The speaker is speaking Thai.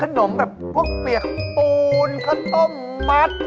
เอ้ยขนมแบบพวกเปียกปูนขนมมัติ